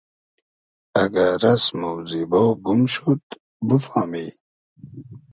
اگۂ رئسم و زیبۉ گوم شود بوفامی